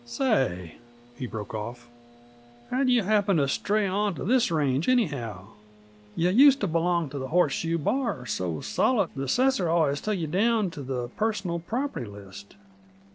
"Say," he broke off, "how'd you happen t' stray onto this range, anyhow? Yuh used t' belong t the Horseshoe Bar so solid the assessor always t' yuh down on the personal property list."